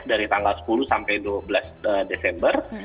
dari tanggal sepuluh sampai dua belas desember